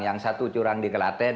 yang satu curang di kelaten